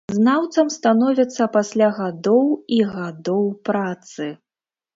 Знаўцам становяцца пасля гадоў і гадоў працы.